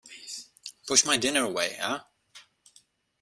Push my dinner away, eh?